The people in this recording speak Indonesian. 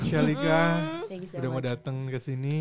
shalika udah mau dateng kesini